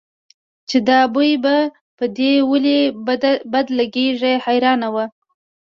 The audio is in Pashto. چې دا بوی به په دې ولې بد لګېږي حیرانه وه.